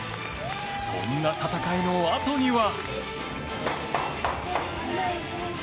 そんな戦いのあとには。